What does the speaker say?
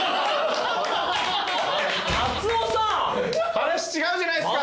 話違うじゃないですか。